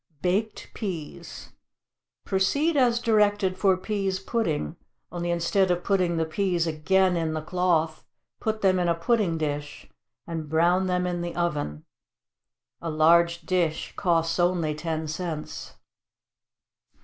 =Baked Peas.= Proceed as directed for peas pudding, only instead of putting the peas again in the cloth put them in a pudding dish, and brown them in the oven. A large dish costs only ten cents.